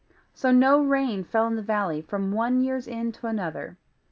So no rain fell in the valley from one year's end to another.